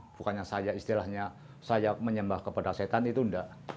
bukan yang saya istilahnya saya menyembah kepada setan itu tidak